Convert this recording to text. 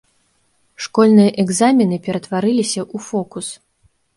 Школьныя экзамены ператварыліся ў фокус.